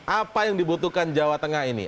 apa yang dibutuhkan jawa tengah ini